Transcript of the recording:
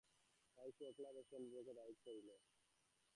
তাই সে একলা বসিয়া বসিয়া নিজেকেই দায়িক করিল।